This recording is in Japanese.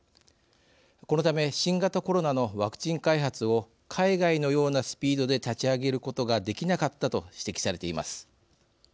このため新型コロナのワクチン開発を海外のようなスピードで立ち上げることができなかったと指摘されています。